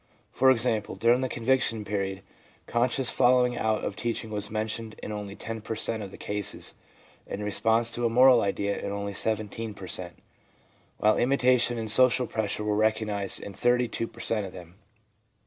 For example, during the conviction period, conscious following out of teaching was mentioned in only 10 per cent, of the cases, and response to a moral ideal in only 17 per. cent. ; while imitation and social pressure were recognised in 32 per cent, of them.